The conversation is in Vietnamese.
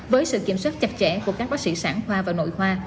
với sự kiểm soát chặt chẽ của các bác sĩ sản khoa và nội khoa